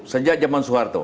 sejak zaman soeharto